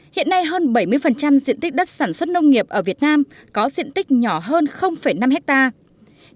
hiện nay hơn bảy mươi diện tích đất sản xuất nông nghiệp ở việt nam có diện tích nhỏ hơn năm hectare